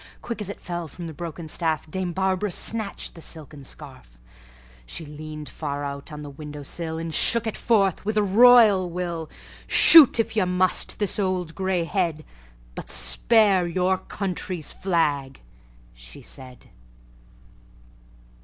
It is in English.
Quick, as it fell, from the broken staffDame Barbara snatched the silken scarf; She leaned far out on the window sill, And shook it forth with a royal will."Shoot, if you must, this old gray head, But spare your country's flag," she said.